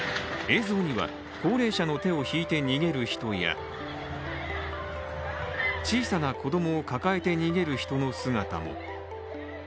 映像には高齢者の手を引いて逃げる人や小さな子供を抱えて逃げる人の姿も。